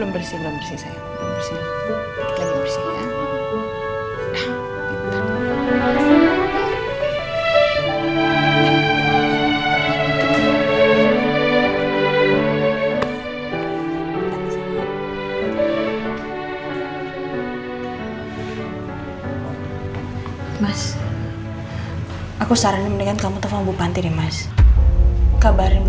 belum bersih belum bersih sayang belum bersih